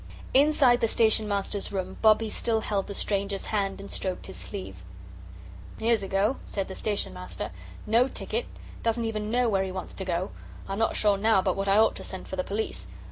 Inside the Station Master's room Bobbie still held the stranger's hand and stroked his sleeve. "Here's a go," said the Station Master; "no ticket doesn't even know where he wants to go. I'm not sure now but what I ought to send for the police."